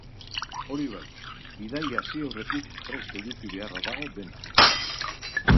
Hori bai, bidaia hasi aurretik prest eduki beharra dago dena.